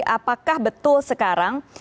apakah betul sekarang